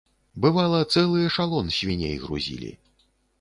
Бывала, цэлы эшалон свіней грузілі.